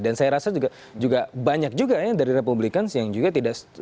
dan saya rasa juga banyak juga ya dari republicans yang juga tidak setuju